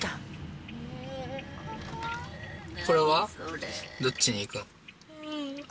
これはどっちに行くん？